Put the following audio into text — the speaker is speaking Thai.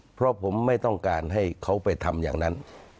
เพราะผมไม่ต้องการให้เขาไปทำอย่างนั้น